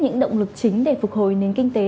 những động lực chính để phục hồi nền kinh tế